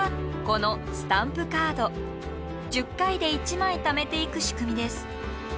１０回で１枚ためていく仕組みです。